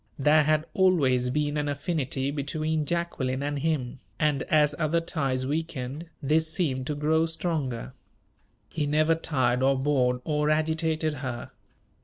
There had always been an affinity between Jacqueline and him, and, as other ties weakened, this seemed to grow stronger. He never tired or bored or agitated her.